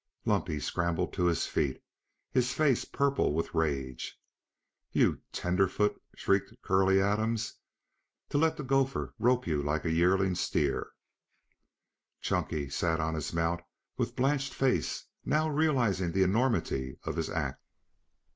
Lumpy scrambled to his feet, his face purple with rage. "You tenderfoot!" shrieked Curley Adams. "To let the gopher rope you like a yearling steer!" Chunky sat on his mount with blanched face, now realizing the enormity of his act.